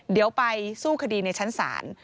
เดี๋ยวไปสู้คดีในชั้นศาล